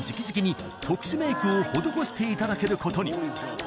直々に特殊メイクを施していただけることに！